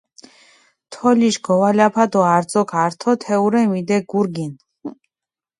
თოლიშ გოვალაფა დო არძოქ ართო თეჸურე მიდეგურგინჷ.